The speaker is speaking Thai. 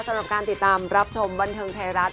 สำหรับการติดตามรับชมบันเทิงไทยรัฐ